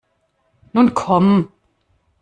Nun komm!